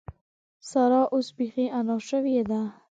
سارا اوس بېخي انا شوې ده.